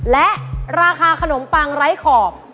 และราคาขนมปังไร้ขอบ